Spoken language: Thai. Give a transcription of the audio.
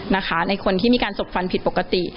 ในคนที่มีการสบฟันผิดปกติ